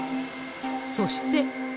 そして。